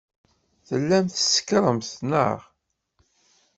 Tellamt tsekṛemt, neɣ?